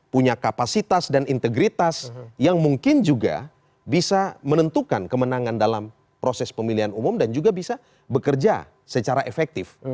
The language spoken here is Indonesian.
punya kapasitas dan integritas yang mungkin juga bisa menentukan kemenangan dalam proses pemilihan umum dan juga bisa bekerja secara efektif